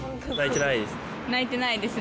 泣いてないですね。